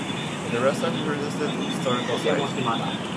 This restaurant is a registered historical site.